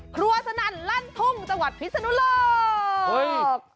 ครัวสนั่นลั่นทุ่งจังหวัดพิศนุโลก